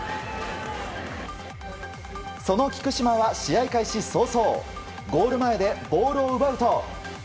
その菊島は試合開始早々ゴール前でボールを奪うと